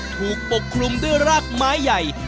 ปกคลุมด้วยรากไม้ใหญ่